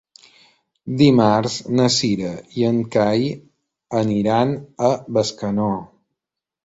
Dimarts na Cira i en Cai aniran a Bescanó.